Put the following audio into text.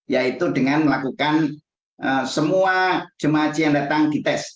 yaitu dengan melakukan semua jemaah haji yang datang di tes